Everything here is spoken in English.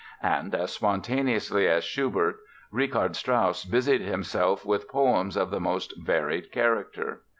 And as spontaneously as Schubert, Richard Strauss busied himself with poems of the most varied character.